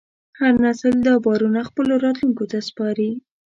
هر نسل دا باورونه خپلو راتلونکو ته سپاري.